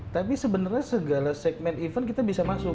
tapi sebenarnya segala segmen event kita bisa masuk